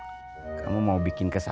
saya mau uang bokeh banyak sofe